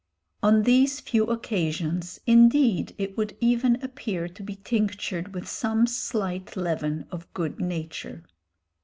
On these few occasions indeed it would even appear to be tinctured with some slight leaven of good nature.